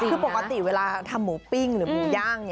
คือปกติเวลาทำหมูปิ้งหรือหมูย่าง